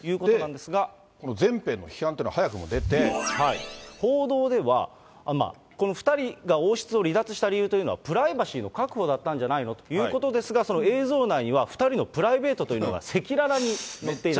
この前編の批判というのが、報道では、この２人が王室を離脱した理由というのは、プライバシーの確保だったんじゃないのということですが、その映像内には、２人のプライベートというのが赤裸々に載っている。